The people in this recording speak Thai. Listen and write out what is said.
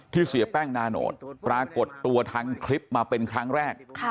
เสียแป้งนาโนตปรากฏตัวทางคลิปมาเป็นครั้งแรก